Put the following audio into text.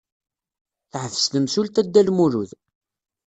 Teḥbes temsulta Dda Lmulud.